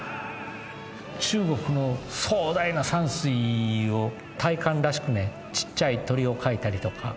中国の壮大な山水を大観らしくねちっちゃい鳥を描いたりとか。